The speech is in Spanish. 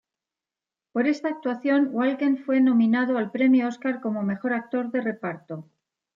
Por esta actuación, Walken fue nominado al premio Óscar como mejor actor de reparto.